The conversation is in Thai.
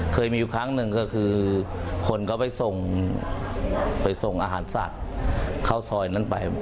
เคยมีครั้งหนึ่งคือคนก็ไปส่งอาหารสัตว์เข้าซอยนั้นไป